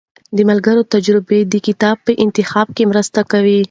د ملګرو تجربې د کتاب انتخاب کې مرسته کوي.